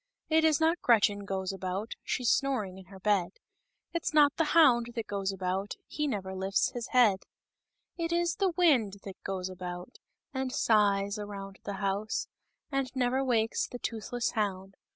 R It is not Gret chert goes about, She's snoring inner ^e^/; It's not the Hound t\i2X goes about A He never lift s hisHeac/ ; Itis the ^/«£/ that goes about, And sighs around the House , And never wakes the toothless //own*